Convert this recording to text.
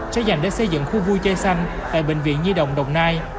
sẽ dành để xây dựng khu vui chơi xanh tại bệnh viện nhi đồng đồng nai